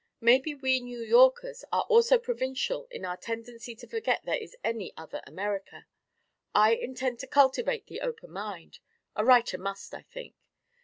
Maybe we New Yorkers are also provincial in our tendency to forget there is any other America. I intend to cultivate the open mind; a writer must, I think.